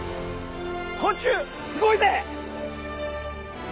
「昆虫すごいぜ！」。